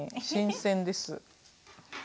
新鮮です。